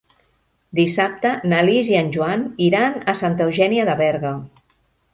Dissabte na Lis i en Joan iran a Santa Eugènia de Berga.